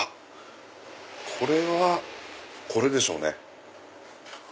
これはこれでしょうね。